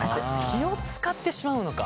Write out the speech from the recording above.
気をつかってしまうのか。